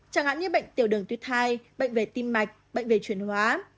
chẳng hạn như bệnh tiểu đường tuyết thai bệnh về tim mạch bệnh về chuyển hóa